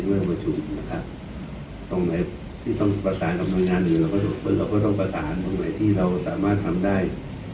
เราต้องประสานกับงานอื่นเราก็ต้องประสานตรงไหนที่เราสามารถทำได้